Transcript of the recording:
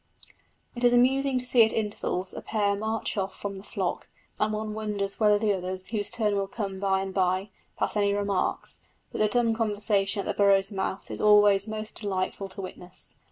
It is amusing to see at intervals a pair march off from the flock; and one wonders whether the others, whose turn will come by and by, pass any remarks; but the dumb conversation at the burrow's mouth is always most delightful to witness.